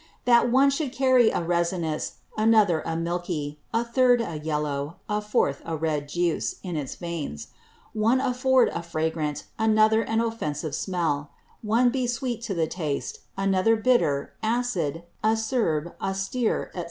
That one should carry a resinous, another a milky, a third a yellow, a fourth a red Juice, in its Veins; one afford a fragrant, another an offensive Smell; one be sweet to the Taste, another bitter, acid, acerbe, austere, &c.